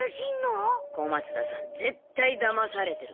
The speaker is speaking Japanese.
小松田さんぜったいだまされてる。